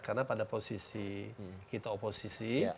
karena pada posisi kita oposisi